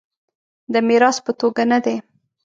د میراث په توګه نه دی.